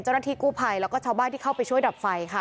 เจ้าหน้าที่กู้ภัยแล้วก็ชาวบ้านที่เข้าไปช่วยดับไฟค่ะ